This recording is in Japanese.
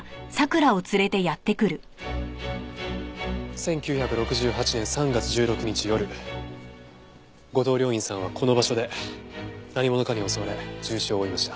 １９６８年３月１６日夜後藤了胤さんはこの場所で何者かに襲われ重傷を負いました。